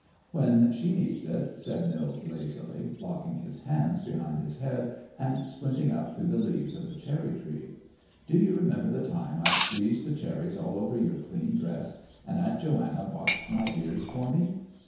"When she needs it," said Nils lazily, locking his hands behind his head and squinting up through the leaves of the cherry tree. "Do you remember the time I squeezed the cherries all over your clean dress, and Aunt Johanna boxed my ears for me?